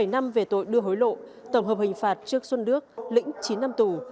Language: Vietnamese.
bảy năm về tội đưa hối lộ tổng hợp hình phạt trước xuân đức lĩnh chín năm tù